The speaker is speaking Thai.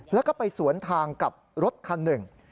แล้วก็ไปสวนทางกับรถคันหนึ่ง